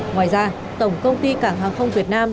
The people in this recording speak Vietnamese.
ngoài ra tổng công ty cảng hàng không việt nam